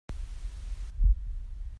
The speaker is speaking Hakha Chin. Lentecalh a duh ngaingai.